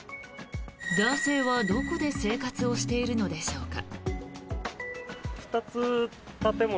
男性はどこで生活をしているのでしょうか。